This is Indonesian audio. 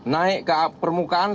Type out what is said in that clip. naik ke permukaan